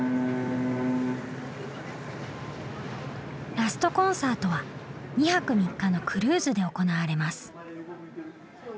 ラストコンサートは２泊３日のクルーズで行われます。